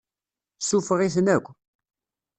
Suffeɣ-iten akk.